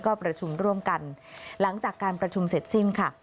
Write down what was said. ก็ประชุมร่วมกันหลังจากการประชุมเสร็จสิ้นค่ะ